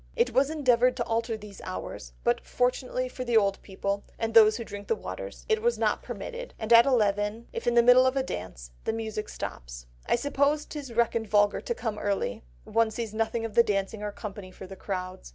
It was endeavoured to alter these hours, but fortunately for the old people, and those who drink the waters, it was not permitted, and at eleven, if in the middle of a dance, the music stops. But I suppose 'tis reckoned vulgar to come early, one sees nothing of the dancing or company for the crowds.